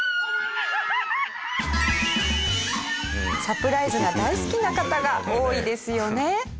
サプライズが大好きな方が多いですよね。